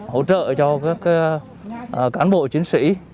hỗ trợ cho các cán bộ chiến sĩ